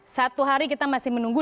satu hari kita masih menunggu